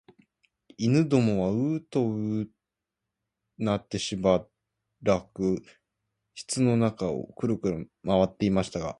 犬どもはううとうなってしばらく室の中をくるくる廻っていましたが、